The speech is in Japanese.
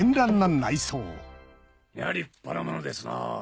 やぁ立派なものですな。